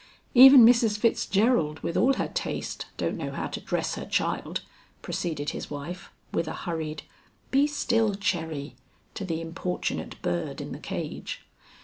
"Even Mrs. Fitzgerald with all her taste don't know how to dress her child," proceeded his wife, with a hurried, "Be still, Cherry!" to the importunate bird in the cage.